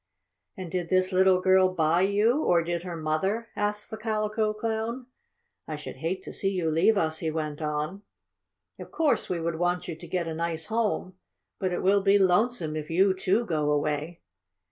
"And did this little girl buy you or did her mother?" asked the Calico Clown. "I should hate to see you leave us," he went on. "Of course we want you to get a nice home, but it will be lonesome if you, too, go away."